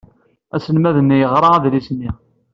Aselmad-nni yeɣra adlis-nni.